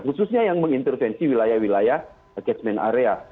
khususnya yang mengintervensi wilayah wilayah catchment area